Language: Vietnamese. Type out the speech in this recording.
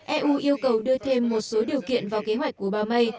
eu yêu cầu đưa thêm một số điều kiện vào kế hoạch của ba may